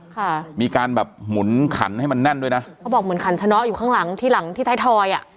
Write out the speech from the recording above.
ค่ะมีการแบบหมุนขันให้มันแน่นด้วยนะเขาบอกเหมือนขันชะเนาะอยู่ข้างหลังที่หลังที่ไทยทอยอ่ะ